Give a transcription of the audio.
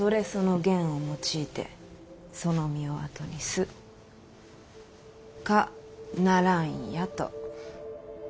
言を用いて其の身を後にす可ならんや」と。